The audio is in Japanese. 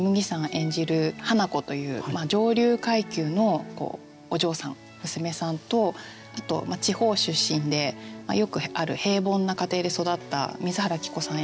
演じる華子という上流階級のお嬢さん娘さんとあと地方出身でよくある平凡な家庭で育った水原希子さん